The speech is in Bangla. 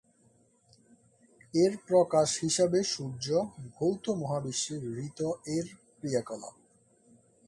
এর প্রকাশ হিসাবে সূর্য, ভৌত মহাবিশ্বে ঋত-এর ক্রিয়াকলাপ।